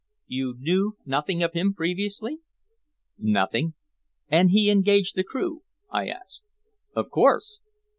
"You knew nothing of him previously?" "Nothing." "And he engaged the crew?" I asked. "Of course."